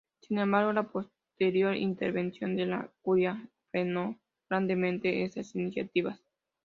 Sin embargo, la posterior intervención de la Curia frenó grandemente estas iniciativas.